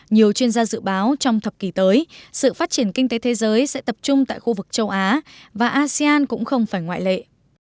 nhiều chuyên gia dự báo trong thập kỷ tới sự phát triển kinh tế thế giới sẽ tập trung tại khu vực châu á và asean cũng không phải ngoại lệ